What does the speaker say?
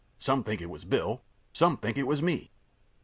Some think it was Bill. Some think it was me.